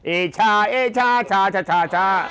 เอช่าเอช่าช่าช่าช่า